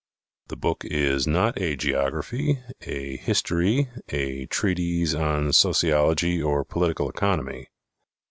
The book is not a geography, a history, a treatise on sociology or political economy.